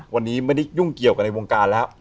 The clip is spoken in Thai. วันนี้ไม่ได้ยุ่งเกี่ยวกันในวงการแล้ว